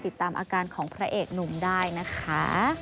ติดตามอาการของพระเอกหนุ่มได้นะคะ